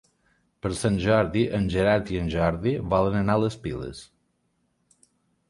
Per Sant Jordi en Gerard i en Jordi volen anar a les Piles.